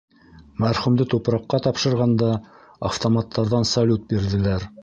Мәрхүмде тупраҡҡа тапшырғанда, автоматтарҙан салют бирҙеләр.